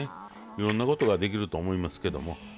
いろんなことができると思いますけども。